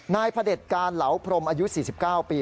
พระเด็จการเหลาพรมอายุ๔๙ปี